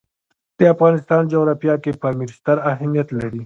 د افغانستان جغرافیه کې پامیر ستر اهمیت لري.